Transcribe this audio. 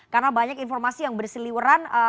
karena banyak informasi yang berseliweran